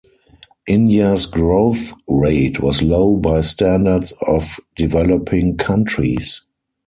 India's growth rate was low by standards of developing countries.